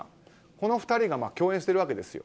この２人が共演しているわけですよ。